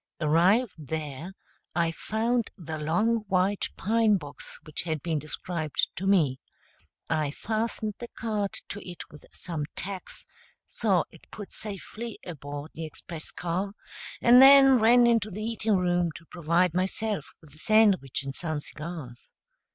Arrived there I found the long white pine box which had been described to me; I fastened the card to it with some tacks, saw it put safely aboard the express car, and then ran into the eating room to provide myself with a sandwich and some cigars.